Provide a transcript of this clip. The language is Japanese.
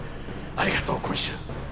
ありがとう、今週。